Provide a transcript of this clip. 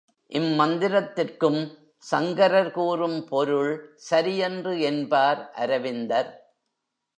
இம்மந்திரத்திற்கும் சங்கரர் கூறும் பொருள் சரியன்று என்பார் அரவிந்தர்.